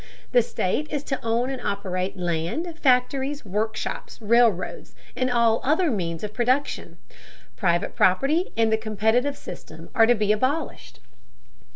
The state is to own and operate land, factories, workshops, railroads, and all other means of production. Private property and the competitive system are to be abolished.